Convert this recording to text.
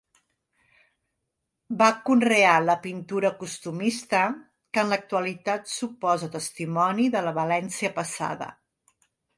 Va conrear la pintura costumista, que en l'actualitat suposa testimoni de la València passada.